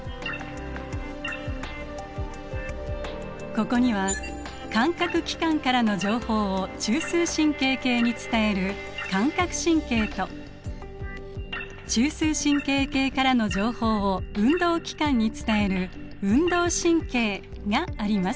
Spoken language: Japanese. ここには感覚器官からの情報を中枢神経系に伝える感覚神経と中枢神経系からの情報を運動器官に伝える運動神経があります。